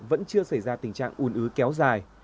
tỉnh trạng ủn ứ kéo dài